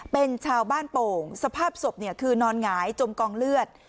เป็นชาวบ้านโป่งสภาพศพคือนอนหงายจมกองเลือด